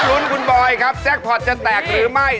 หลุ้นคุณบอยจักรถก์จะแตกหรือไม่